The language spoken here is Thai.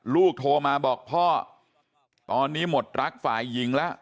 โทรมาบอกพ่อตอนนี้หมดรักฝ่ายหญิงแล้ว